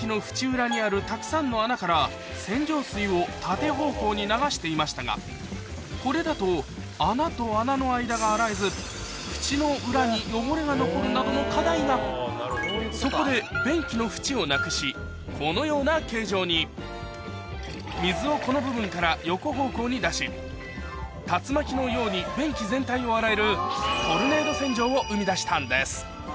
裏にあるたくさんの穴から洗浄水を縦方向に流していましたがこれだと穴と穴の間が洗えずフチの裏に汚れが残るなどの課題がそこで便器のフチをなくしこのような形状に水をこの部分から横方向に出し竜巻のように便器全体を洗えるを生み出したんです